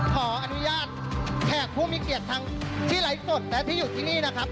ขออนุญาตแขกผู้มีเกียรติทั้งที่ไลฟ์สดและที่อยู่ที่นี่นะครับ